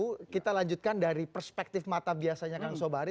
oke kita lanjutkan dari perspektif mata biasanya kang sob ari